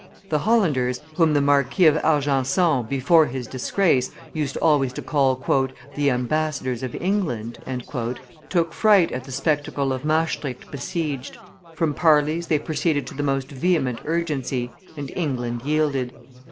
The Hollanders, whom the Marquis of Argenson before his disgrace used always to call "the ambassadors of England," took fright at the spectacle of Maestricht besieged; from parleys they proceeded to the most vehement urgency; and England yielded.